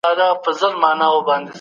مذهب د خلګو په ژوند څه اغیز درلود؟